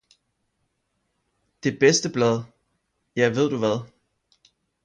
Det bedste Blad - ja veed Du hvad?